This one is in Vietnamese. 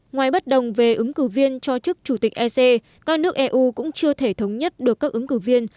ngoài bất đồng về ứng cử viên cho chức chủ tịch ec các nước eu cũng chưa thể thống nhất được các ứng cử viên